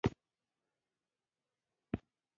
ایا زه به وکولی شم ولولم؟